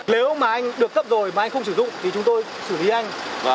nếu mà anh được cấp rồi mà anh không sử dụng thì chúng tôi xử lý anh